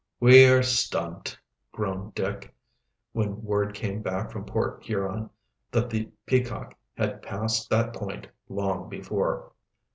"We are stumped," groaned Dick, when word came back from Port Huron that the Peacock had passed that point long before.